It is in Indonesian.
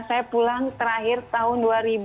saya pulang terakhir tahun dua ribu delapan belas